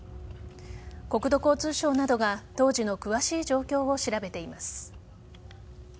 国土交通省などが当時の詳しい状況を調べています。